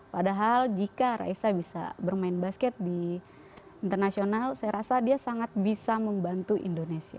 padahal jika raisa bisa bermain basket di internasional saya rasa dia sangat bisa membantu indonesia